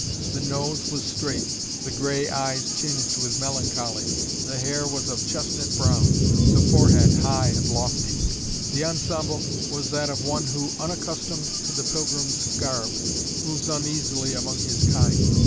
The nose was straight, the grey eyes tinged with melancholy, the hair was of chestnut brown, the forehead high and lofty. The ensemble was that of one who, unaccustomed to the pilgrim's garb, moves uneasily among his kind.